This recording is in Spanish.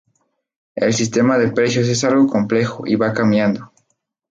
El sistema de precios es algo complejo y va cambiando.